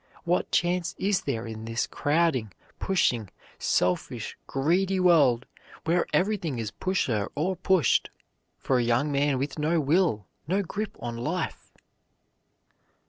What chance is there in this crowding, pushing, selfish, greedy world, where everything is pusher or pushed, for a young man with no will, no grip on life?